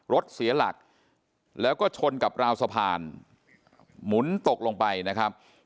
รถเสียหลักแล้วก็ชนกับราวสะพานหมุนตกลงไปนะครับ